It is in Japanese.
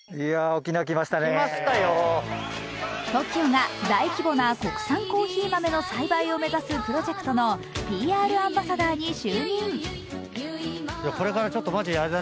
ＴＯＫＩＯが大規模な国産コーヒー豆の栽培を目指すプロジェクトのＰＲアンバサダーに就任。